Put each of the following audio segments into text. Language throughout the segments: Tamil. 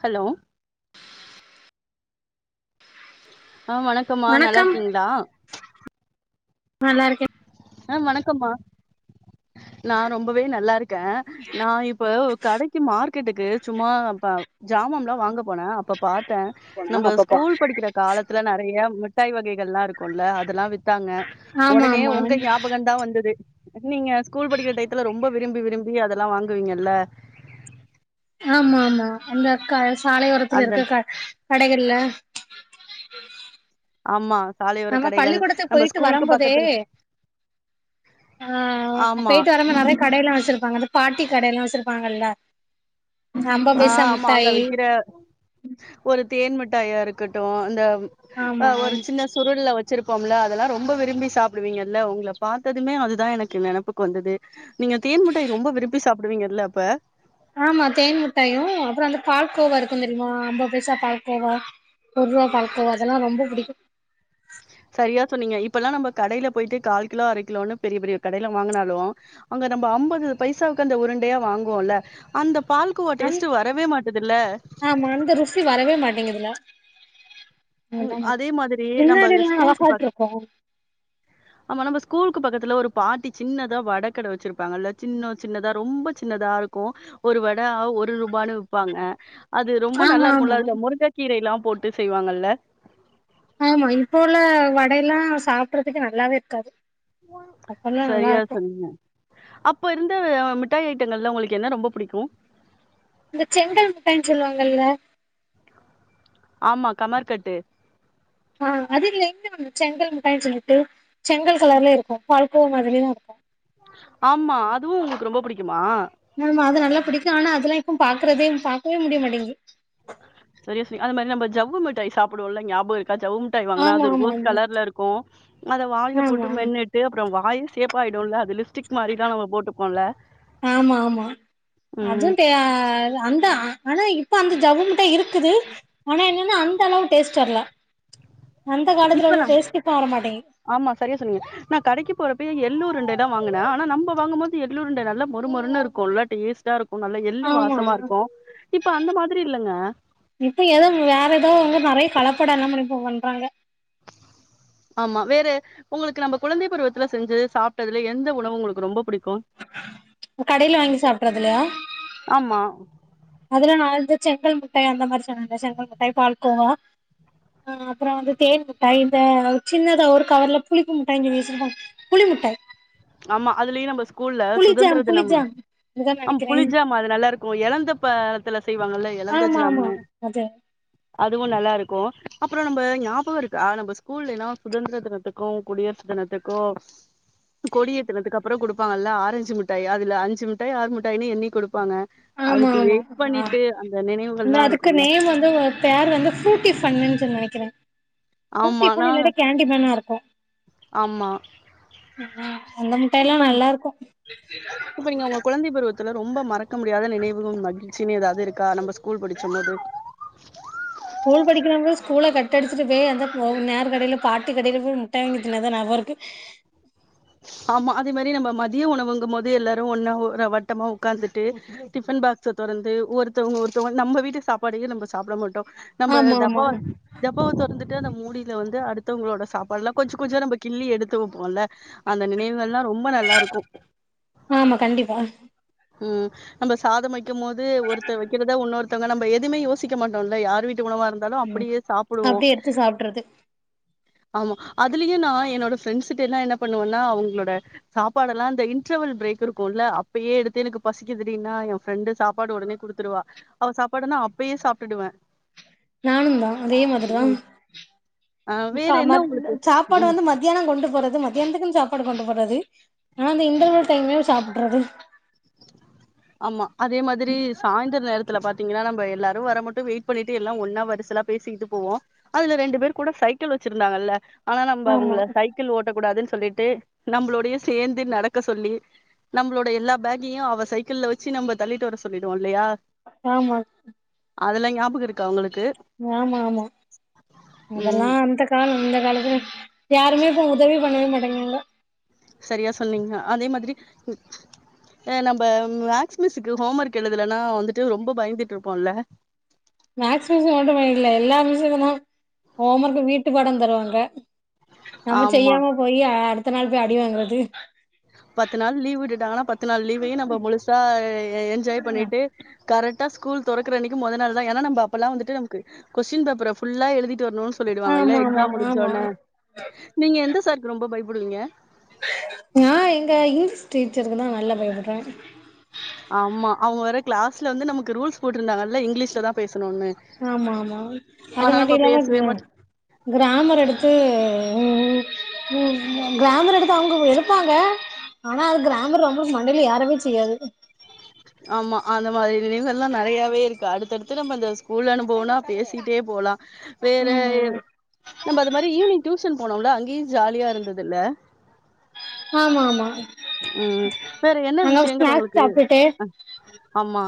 ஹலோ ஆ வணக்கம்மா நல்லா வணக்கம் இருக்கீங்ளா நல்லா இருக்கே ஆ வணக்கம்மா நா ரொம்பவே நல்லா இரு க நா இப்ப கடெக்கி மார்க்கெட்டுக்கு சும்மா ப ஜாமான்லா வாங்க போனே அப்ப பாத்தே நம்ம ஸ்கூல் படிக்கிற காலத்துல நறையா முட்டாய் வகைகள் ல்லா இருக்கூல்ல அதெல்லா வித்தாங்க ஆமா ஒடனே ஆமா உங்க ஞாபகொந்தா வந்துது நீங்க ஸ்கூல் படிக்கிற டைய்த்துல ரொம்ப விரும்பி விரும்பி அதெல்லா வாங்குவீங்க இல்ல ஆமா ஆமா அந்த அக்கா சாலையோரத்துல அந்த இருக்க க கடைகள்ல ஆமா சாலையோர நம்ம கடைகள் பள்ளிக்கூடத்து நம்ம போயிட்டு ஸ்கூலுக்கு வரும்போதே பக்கத்துல ஆ ஆமா போயிட்டு வரம் போ நெறைய கடையெல்லா வெச்சிருப்பாங்க அந்த பாட்டி கடையெல்லா வெச்சிருப்பாங்கல்ல அம்பது ஆ பைசா ஆமா அங்க முட்டாயி விக்கிற ஒரு தேன் மிட்டாயா இருக்கட்டு அந்த அ ஆமா ஒரு சின்ன சுருள்ல்ல வெச்சிருப்போம்ல அதெல்லா ரொம்ப விரும்பி சாப்பிடுவீங்கல்ல உங்கள பாத்ததுமே அதுதா எனக்கு நெனப்புக்கு வந்தது நீங்க தேன் மிட்டாய் ரொம்ப விரும்பி சாப்டுவீங்கல்ல அப்ப ஆமா தேன் மிட்டாயு அப்புறோ அந்த பால்கோவா இருக்கு தெரியுமா அம்பபைசா பால்கோவா ஒரு ரூவா பால்கோவா அதெல்லா ரொம்ப புடிக்கு சரியா சொன்னீங்க இப்பெல்லா நம்ம கடையில போயிட்டு கால் கிலோ அர கிலோன்னு பெரிய பெரிய கடைல வாங்குனாலு அங்க நம்ம அம்பது பைசாவுக்கு அந்த உருண்டையா வாங்குவோல்ல அந்த பால் கோவா அந் டேஸ்ட் வரவே மாட்டதுல்ல ஆமா அந்த ருசி ருசி வரவே மாட்டேங்குதுல ம் ஆ அதே மாதிரி நம்ம பின்னாடி எல்லா ஸ்கூலுக்கு பக் அழகாயிட்டுருக்கோ ஆமா நம்ம ஸ்கூலுக்கு பக்கத்துல ஒரு பாட்டி சின்னதா வடகட வெச்சிருப்பாங்க இல்ல சின்ன சின்னதா ரொம்ப சின்னதா இருக்கு ஒரு வட ஒரு ரூபான்னு விப்பாங்க அது ரொம்ப ஆமா நல்லா ஆமா இருக்கும்ல அதுல முருங்க கீரை எல்லா போட்டு செய்வாங்கல்ல ஆமா இப்போ உள்ள வடை எல்லா சாப்புட்றதுக்கு நல்லாவே இருக்காது அப்பல்லா நல்லா சரியா இருக்கு சொன்னீங்க. அப்ப இருந்த மிட்டாய் ஐட்டங்கள்ல உங்களுக்கு என்ன ரொம்ப புடிக்கு இந்த செங்கல் முட்டாய்னு சொல்லுவாங்கல்ல ஆமா கமர்‌ கட்டு ஆ அது இல்ல இன்னொன்னு செங்கல் முட்டாயினு சொல்லிட்டு செங்கல் கலர்லயே இருக்கு பால்கோ மாதிரியே தா இருக்கு ஆமா அதுவு உங்களுக்கு ரொம்ப புடிக்குமா ஆமா அது நல்ல புடிக்கு ஆனா அதெல்லா இப்போ பாக்குறதே பாக்கவே முடியமாட்டேங்குது சரியா சொனிங் அது மாதிரி நம்ம ஜவ்வு மிட்டாய் சாப்டுவோல்ல ஞாபகோ இருக்கா ஜவ்வு ஜவ்வு மிட்டாய வாங்குனா ஆமா அது ஆமா ரோஸ் கலர் இருக்கு அத வாயில ஆமா போட்டு மென்னுட் சே அப்றோ வாயே சேப்பாயிடும்ல அது லிஸ்டிக் மாரிதா நம்ம போட்டுப்போம்ல அது ம். ‌ தே அந்தா ஆனா இப்ப அந்த ஜவ்வுமிட்டாயி இருக்குது ஆனா என்னன்னா அந்த அளவு டேஸ்ட் வர்ல அந்த காலத்துல உள்ள இப்ப டேஸ்டி இப்ப வர மாட்டேங்குது ஆமா செரியா சொன்னீங்க நா கடைக்கு போறப்ப எள்ளுருண்டய வாங்குன நம்ம வாங்கும்போது எள்ளுருண்ட நல்ல மொறு மொறுன்னு இருக்கும்ல டேஸ்ட் டா இருக்கு நல்ல எள்ளு ஆமா வாசமா இருக்கு இப்ப அந்த மாதிரி இல்லங்க இப்ப ஏதோ வேற ஏதோ வந்து நெறைய கலப்படோ எல்லா இப்ப பண்றாங்க ஆமா வேற உங்களுக்கு நம்ம குழந்தை பருவத்துல செஞ்சி சாப்டதுல எந்த உணவு உங்களுக்கு ரொம்ப புடிக்கு கடையில வாங்கி சாப்றதுலயா ஆமா அதுல நா வந்து செங்கல் முட்டாய் அந்த மாரி சொன்னல்ல செங்கல் முட்டாய் பால்கோவா ஆ அப்றோ வந்து தேன் முட்டாய் இந்த சின்னதா ஒரு கவர்ல புளிப்பு முட்டாயின்னு சொல்லி வெச்சிருப்பாங் புளி முட்டாய் ஆமா அதுலயே நம்ம ஸ்கூல்ல சுதந்திர புளிஜாம் தினம்லா புளிஜாம் அதுதா ஆம் நெனைக்கிறே புளிஜாம் ஆமா அது நல்லா இருக்கு எலந்த பழத்துல செய்வாங்கல்ல எலந்த ஆமா ஆமா ஜாமு அது அதுவு நல்லா இருக்கு அப்பறோ நம்ம ஞாபகம் இருக்கா நம்ம ஸ்கூல்ல ஏன்னா சுதந்திர தினத்துக்கு உன்குடையே சுத்துனதுக்கு கொடியேத்துனதுக்கு அப்பறோ கொடுப்பாங்கல்ல ஆரஞ்சு மிட்டாய் அதுல அஞ்சு மிட்டாய் ஆறு மிட்டாய்னு எண்ணி குடுப்பாங்க ஆமா அதுக்கு ஆமா வெயிட் பண்ணிட்டு அந்த நினைவுகள்ல்லா இருக்கும்ல ஹஸ்பேண்ட் வந்து ஒர்க் பேர் வந்து ஃபூரூட்டி ஃபன்னு சொல்லி நெனைக்கிறேன் ஆமா ஃபூரூட்டி ஃபன் இல்ல கேண்டி மேன்னா இருக்கும் ஆம்மா ஆ ஆ அந்த மிட்டாய எல்லா நல்லா இருக்கும் த்துல ரொம்ப மறக்க முடியாத நினைவு மகிழ்ச்சின்னு எதாவது இருக்கா நம்ம ஸ்கூல் படிச்சபோது ஸ்கூல் படிக்கிறவ ஸ்கூலை கட்டடிச்சுட்டு போய் அந்த நேர் கடையில பாட்டி கடையில போய் முட்ட வாங்கி தின்னது தான் ஞாபகம் இருக்கு ஆமா அதே மாதிரி நம்ம மதியம் உணவுங்கும் போது எல்லாரும் ஒன்னா வட்டமா உட்காந்துட்டு டிஃபன் பாக்ஸ் தொரந்து ஒருத்தவங்க ஒருத்தவங்க நம்ம வீட்டு சாப்பாடையே நம்ம சாப்ட மாட்டோம் நம்ம ஆமா ஆமா டப்பாவ டப்பாவை தோறந்துட்டு அந்த மூடியில வந்துடாடு அடுத்தவங்களோட சாப்பாடெல்லாம் கொஞ்சம் கொஞ்சம் நம்ம கிள்ளி எடுத்துவப்போம்ல அந்த நினைவுகள் எல்லாம் ரொம்ப நல்லா இருக்கும் ஆமா கண்டிப்பா ம் நம்ம சாதம் வைக்கும் போது ஒருத்தர் வைக்கிறதா ஒன்னொருத்த வங்க நம்ம எதுவுமே யோசிக்க மாட்டோம்ல்ல யார் வீட்டு உணவா இருந்தாலும் ம் அப்டியே சாப்பிடுவோம் அப்டியே எடுத்து சாப்ட்றது ஆமா அதுலயு நா என்னோட ஃரெண்ட்ஸ்ட்ட எல்லாம் என்ன பண்ணுவேன்னா அவங்களோட சாப்பாடெல்லா அந்த இண்ரவல் பிரேக் இருக்கும்ல்ல அப்பயே எடுத்து தெனுக்கு பசிக்குதுடின்னா என் ஃப்ரெண்டு சாப்பாடு உடனே கொடுத்துருவா அவ சாப்பாடுனா அப்பயே சாப்ட்டுவேன் நானு தான் அதே மாதி தான் ஆ வேற கா என்ன மத் உங்களுக்கு சாப்பாடு ம் வந்து மத் மத்தியானம் கொண்டு போறது மத்தியானத்துக்குன்னு சாப்பாடு கொண்டு போறது ஆனா அந்த இடர்வல் டைம்கே சாப்டுறது ஆமா அதே மாதிரி சாந்திர நேரத்துல பாத்தீங்கன்னா நம்ம எல்லாரும் வர மட்டும் வெயிட் பண்ணிட்டு எல்லா ஒன்னா வரிசலா பேசிக்கிட்டு போவோம் அதுல ரெண்டு பேர் கூட சைக்கிள் வச்சிருந்தாங்க ஆனா நம்ம ஆமா அவங்க சை க்கிள் ஓட்டக் கூடாதுன்னு சொல்லிட்டு நம்மளோடயே சேந்து நடக்க சொல்லி நம்மளோட எல்லா பேக்கயு அவ சைக்கிள்ல வச்சு நம்ம தள்ளிட்டு வர சொல்டுவோ இல்லயா ஆமா அதெல்லா ஞாபக இருக்கா ஒங்களுக்கு ஆமா ஆமா அதெலா ம் அந்த காலோ இந்த காலத்துல யாருமே இப்ப உதவி பண்ணவே மாட்டேங்றாங்க செரியா சொன்னீங்க அதே மாதிரி ம் ஆ நம்ம மேக்ஸ்மிஸுக்கு ஹோம் ஒர்க் எழுதுலனா வந்துட்டு ரொம்ப பயந்துட்டு இருப்போல மேக்ஸ் மிஸ்ஸு மட்டுமில்ல எல்லா மிஸ்ஸுக்குதா ஹோம் ஒர்க் வீட்டு பாடம் தருவாங்க நம்ம ஆமா செய்யாம போயி அ அடுத்த நாள் போயி அடிவாங்றது பத்து நாள் லீவ் விட்டுட்டாங்கனா பத்து நாள் லீவையுநம்ம முழுசா என்ஜாய் பண்ணிட்டு கரெக்டா ஸ்கூல் தொறக்கற அன்னக்கு மொத நாள் தான் ஏன்னா நம்ம அப்பல்லா வந்துட்டு நமக்கு கொஸின் பேப்பர ஃபுல்லாக எழுதிட்டுரணு சொல்லிடுவாங்கல்ல ஆமா ஆமா எக்ஸாம் ஆமா முடிஞ்சோன நீங்க எந்த சாருக்கு ரொம்ப பயப்படுவீங்க நா எங்க இங்கிலீஷ் டீச்சருக்கு தா நல்லா பயபடுவே ஆமா அவுங்க வேற கிளாஸ்ல வந்து நமக்கு ரூல்ஸ் போட்ருந்தாங்கல்ல இங்கிலீஷ்ல தா பேசணுன்னனு ஆமா ஆமா அது மட்டுஇல்லாம பேசவே மாட் கிராமர் எடுத்து உ உ ம் ம் கிராமர் எடுத்து அவுங்க எடுப்பாங்க ஆனா அது கிராமர் ரொம்ப மண்டைல ஏறவே செய்யாது ஆமா அந்தமாரி நினைவுகல்லா நெறையாவே இருக்கு அடுத்தடுத்து நம்ம இந்த ஸகூல் அனுபவன்னா பேசிட்டே போலா வேற ஆமா நம்ம அது மாதிரி ஈவ்னிங் டியூஷன் போனோல அங்கேயு ஜாலியா இருந்துதுல்ல ஆமாமா ம் வேற என்ன விஷியங்கள் ஒங்களுக்கு சாப்டுட்டு ம் ஆமா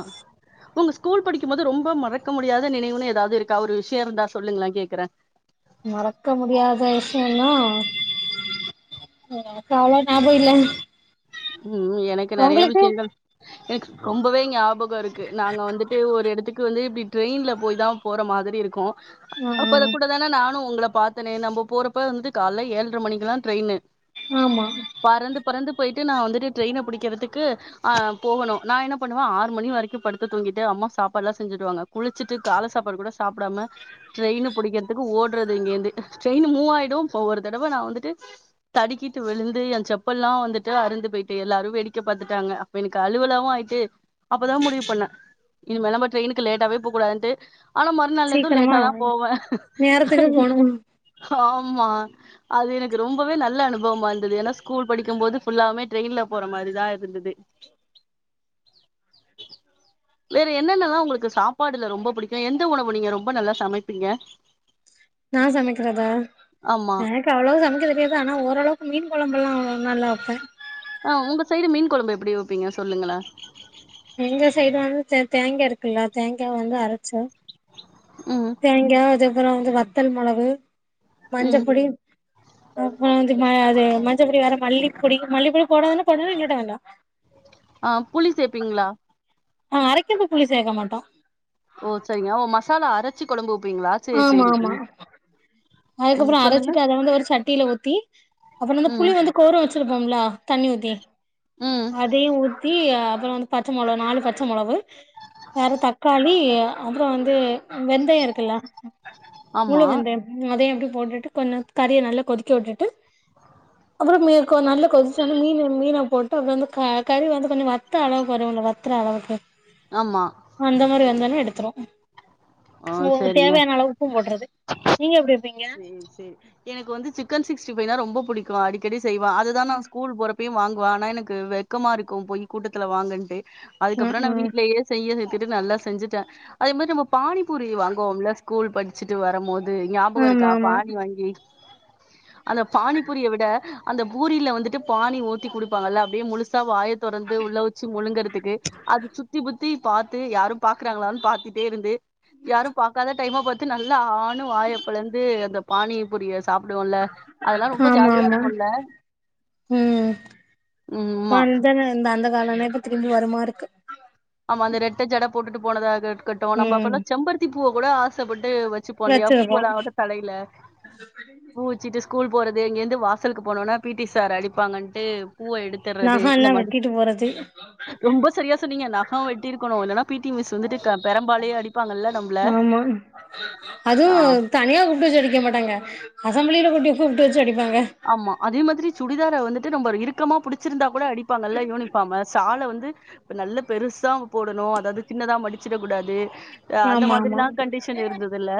ஒங்க ஸ்கூல் படிக்குபோது ரொம்போ மறக்க முடியாத நினைவுன்னு ஏதாது இருக்கா ஒரு விஷியோருந்தா சொல்லுங்ளே கேக்குற மறக்க முடியாத விஷியனா எனக்கு அவ்ளவா ஞாபகோ இல்லிங்க ம் எனக்கு நெறைய விஷயங்கள் எனக்கு ரொம்பவே ஞாப கொ இருக்கு நாங்க வந்துட்டு ஒரு எடத்துக்கு வந்து இப்டி ட்ரெயின்ல போயிதா போற மாதிரி இருக்கு ஆ அப்ப ஆ. அத கூடதான நானு ஒங்கள பாத்தனே நம்ம போறப்ப வந்துட்டு காலல ஏழர மணிக்குல்லா ட்ரெயினு ஆமா பறந்து பறந்து போயிட்டு நா வந்துட்டு ட்ரெயின புடிக்குறதுக்கு ஆ போகணு நா என்ன பண்ணுவே ஆறு மணி வரைக்கு படுத்து தூங்கிட்டு அம்மா சாப்பாட்ல்லா செஞ்சிடுவாங்க குளிச்சிட்டு கால சாப்பாடு கூட சாப்டாம ட்ரெயின புடிக்கிறதுக்கு ஓட்றது இங்கேர்ந்து ட்ரெயின் மூவ் ஆயிடு அப்ப ஒரு தடவ நா வந்துட்டு தடுக்கிட்டு விழுந்து ஏ செப்பல்லா வந்துட் டு அறுந்து போயிட்டு எல்லாரு வேடிக்க பாத்துட்டாங்க அப்ப எனக்கு அழுவலாவு ஆயிட்டு அப்பதா முடிவு பண்ண இனிமேல் நம்ப ட்ரெயினுக்கு லேட்டாவே போ கூடாதுன்ட்டு ஆனா மறுநாள்லேந்து சீக்கிரமா லேட்டாதா போவ நேரத்துக்கு போனு ஹாமா அது எனக்கு ரொம்பவே நல்ல அனுபவமா இருந்துது ஏன்னா ஸ்கூல் படிக்கு போது ஃபுல்லாவுமே ட்ரெயின்ல போற மாரிதா இருந்துது வேற என்னென்னல்லா ஒங்களுக்கு சாப்பாடுல ரொம்ப புடிக்கு எந்த உணவு நீங்க ரொம்ப நல்லா சமைப்பீங்க நா சமைக்ரதா ஆமா நா எனக்கு அவ்ளவா சமைக்க தெரியாது ஆனா ஓரளவுக்கு மீன் கொழம்பல்லா நல்லா வப்ப ஆ ஒங்க சைடு மீன் கொழம்பு எப்டி வைப்பீங்க சொல்லுங்களே எங்க சைடு வந்து தே தேங்கா இருக்குல்ல தேங்காவ வந்து அரைச்சு ம் தேங்கா அதுகப்பறொ வந்து வத்தல் மொளகு ம் மஞ்சப்பொடி ம் ஆ வந்து ம அது மஞ்சப்பொடி வேற மல்லிப்பொடி மல்லிப்பொடி போடதுன்னா போடு இல்லாட்டா வேண்டா ஆ புளி சேப்பிங்க்ளா ஆ அரைக்கபோ புளி சேக்க மாட்டோ ஓ செரிங்க ஓ மசாலா அரச்சி கொழம்பு வப்பீங்களா சேர் சேரி ம் ம் அதுக்கப்றோ சொல்லுங்க அரச்சிட்டு அத வந்து ஒரு சட்டியில ஊத்தி அப்றோ வந்து புளி ம் வந்து கோர வச்சிருப்போம்லா தண்ணி ஊத்தி ம் அதயு ஊத்தி அப்றோ வந் பச்ச மொள நாலு பச்ச மொளவு வேற தக்காளி அப்றோ வந்து வெந்தயோ இருக்குல்ல முழு ஆமா வெந்தயோ அதயு அப்டி போட்டுட்டு கொஞ்சோ கறிய நல்லா கொதிக்க உட்டுட்டு அப்றோ மி கொ நல்ல கொதிச்சன்ன மீனு மீன போட்டு அப்றோந்து க கறி வந்து கொஞ்சோ வத்த அளவு வரும்ல வத் ர அளவுக்கு ஆமா அந்த மாரி வந்தோனே எடுத்துருவோ ஆ ஓ சரிங்க தேவயான அளவு உப்பு போட்றது நீங்க எப்டி வப்பீங்க ம் சேரி எனக்கு வந்து சிக்கன் சிக்ஸ்டி ஃபைனா ரொம்ப புடிக்கு அடிக்கடி செய்வ அதுதா நா ஸ்கூல் போறப் யு வாங்குவ ஆனா எனக்கு வெக்கமா இருக்கு போயி கூட்டத்துல வாங்கன்ட்டு ம் அதுக்கப்றோ நா ம் வீட் லயே செய்ய சேத்துட்டு நல்லா செஞ்சுட்டே அதே மாரி நம்ம பானிபூரி வாங்குவோம்ல ஸ்கூல் படிச்சுட்டு வரும்போது ஞாபகருக் ஆமா ஆமா ங்கி அந்த பானிபூரிய விட அந்த பூரியில வந்துட்டு பானி ஊத்தி குடுப்பாங்கல்ல அப்டியே முழுசா வாய தொறந்து உள்ள வச்சு முழுங்கறதுக்கு அது சுத்தி புத்தி பாத்து யாரு பாக்குறாங்களானு பாத்திட்டே இருந்து யாரு பாக்காத டைமா பாத்து நல்லா ஆணு வாய பொழந்து அந்த பானி புரிய சாப்டுவோம்ல அதெல்லா ரொம்ப ஆமா ஜாலியா ஆமா இருக்குல்ல ம் வந்தன இந்த அந்த காலமா இப்ப திருப்பி வருமா இருக்கு ஆமா அந்த ரெட்ட ஜட போட்டுட்டு போனதாது இருக்கட்டு நம்ம ம் அப்பல்லா செம்பருத்தி பூவ கூட ஆசப்பட்டு வச்சுப்போ இல்லையா வச்சிருக்கோம் பூவலாகட்டு தலையில பூ வச்சுட்டு ஸ்கூல் போறது இங்கேருந்து வாசல்க்கு போனோனா பீட்டி சார் அடிப்பாங்கட்டு பூவ எடுத் தர்றது இந்த நகல்லாம் மாரி வெட்டிட்டு போறது ரொம்ப சரியா சொன்னீங்க நா நகோ வெட்டிருக்கனு இல்லன்னா பீட்டி மிஸ் வந்துட்டு க பெரம்பாலயே அடிப்பாங்கள்ள நம்ள அதுவு தனியா கூப்ட்டு வச்சு அடிக்க மாட்டாங்க அசம்பளியில கூப்ட்டு கூப்ட்டு வச்சு அடிப்பாங்க ஆமா அதே மாதிரி சுடிதார வந்துட்டு நம்ம இருக்கமா புடிச்சிருந்தா கூட அடிப்பாங்கல்ல யூனிஃபார்ம சால வந்து இப்ப நல்ல பெருசா போடணு அதாவது சின்னதா மடிச்சிட கூடாது அ அந்த ஆமா மாதிரிலா ஆமா கண்டிஷன் இருந்ததுல்ல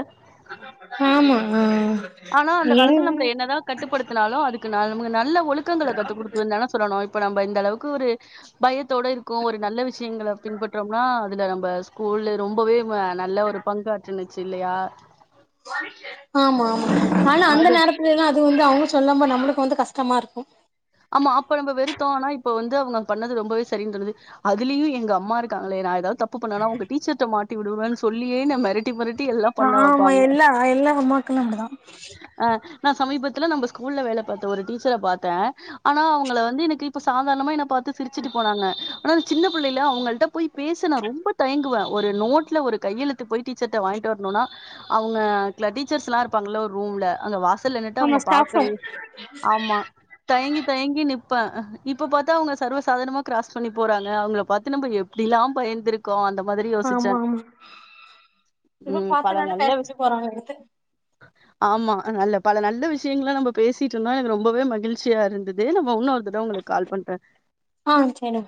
ஆமா ஆ ஆனா அந்த எங் காலத்துல நம்மள என்னதா கட்டுப்படு த்னாலு அதுக்கு ந மு நல்ல ஒழுக்கங்கள கத்து குடுக்கனுதனோ சொல்லணு இப்ப நம்ப இந்த அளவுக்கு ஒரு பயத்தோட ருக்கோ ஒரு நல்ல விஷயங்கள பின்பற்றோம்னா அதுல நம்ப ஸ் கூல்ல ரொம்பவே ம நல்ல ஒரு பங்காற்றுனுச்சு இல்லையா ஆமா ஆமா ஆனா அது அந்த நேரத் துலன்னா அது வந்து அவங்க சொல்லாம நம்மளுக்கு வந்து கஷ்டமா இருக்கு ஆமா அப்ப நம்ம வெறுத்தோ ஆனா இப்ப வந்து அவங்க பண்ணது ரொம்பவே சரின் தோணுது அதுலயு எங்க அம்மா இருக்காங்களே நா ஏதாவது தப்பு பண்ணணா உங்க டீச்சர்ட்ட மாட்டி விடுவேனு சொல்லியே என்ன மெரட் ட்டி மெரட்டி எல்லா பண்ண ஆமா வப்பாங்க எல்லா எல்லா அம்மாக்களு அப்டிதா ஆ நா சமீபத்துல நம்ம ஸ்கூல்ல வேல பாத்த ஒரு டீச்சர பாத்தே ஆனா அவங்கள வந்து எனக்கு இப்ப சாதாரணமா என்ன பாத்து சிரிச்சுட்டு போனாங்க ஆனா சின்ன புள்ளைல அவங்கள்ட போய் பேச நா ரொம்ப தயங்குவே ஒரு நோட்ல ஒரு கையெழு த்து போய் டீச்சர்ட வாங்கிட்டு வரணும்னா அவங்க ள டீச்சர்ஸ்ல்லா இருப்பாங்கள ஒரு ரூம்ல அங்க வாச ல்ல நின்னுட்டு ஆமா அவங்க ஸ்டாஃபு பாக்கவே ஆமா தயங்கி தயங்கி நிப்பே இப்ப பார்த்தா அவங்க சர்வசாதனமா கிராஸ் பண்ணி போறாங்க அவங்க பார்த்த நம்ம எப்டில்லா பயந்துருக் க்கோ அந்த மாதிரி யோசிச்சே இப்ப பார்த்தனால பேசிட்டு போறாங்க எடுத்து ஆமா நல்ல பல நல்ல விஷயங்கள நம்ம பேசிட்டு இருந்தா எனக்கு ரொம்பவே மகிழ்ச்சியா இருந்தேது து நம்ம உன்னு ஒருத்துதா உங்களுக்கு கால் பண்றே ஆ சரி